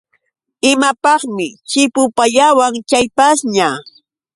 ¿Imapaqmi chipupayawan chay pashña.?